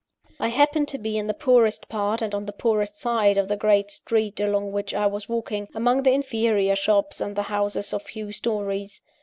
I happened to be in the poorest part, and on the poorest side of the great street along which I was walking among the inferior shops, and the houses of few stories.